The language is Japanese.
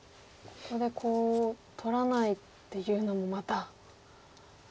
ここでコウを取らないっていうのもまた。